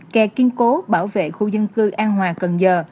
kè kiên cố bảo vệ khu dân cư an hòa cần giờ